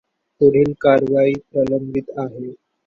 पुढील कारवाई प्रलंबित आहे.